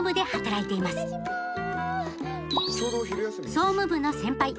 総務部の先輩坂東